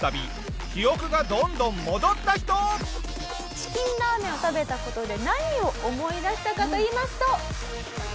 チキンラーメンを食べた事で何を思い出したかといいますと。